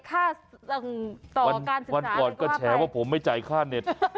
ค่าต่อการศึกษาวันก่อนก็แฉว่าผมไม่จ่ายค่าเน็ต